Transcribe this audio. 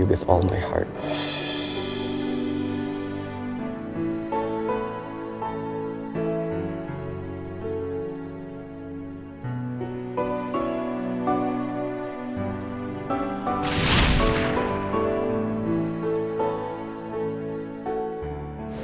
aku cintamu dengan hati hati